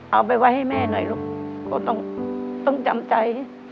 เอาไปไว้ให้แม่หน่อยลูกก็ต้องจำใจ